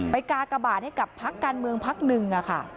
กากบาทให้กับพักการเมืองพักหนึ่งค่ะ